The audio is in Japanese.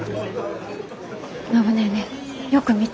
暢ネーネーよく見て。